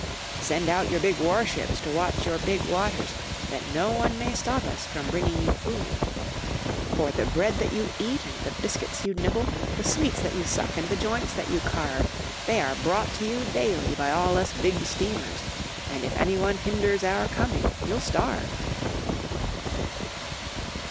"Send out your big warships to watch your big waters, That no one may stop us from bringing you food. "_For the bread that you eat and the biscuits you nibble, The sweets that you suck and the joints that you carve, They are brought to you daily by all us Big Steamers, And if any one hinders our coming you'll starve!